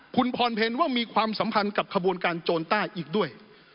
คุณพรเพลว่ามีความสัมพันธ์กับขบวนการโจรใต้อีกด้วย